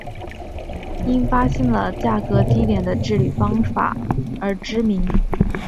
因发现了价格低廉的制铝方法而知名。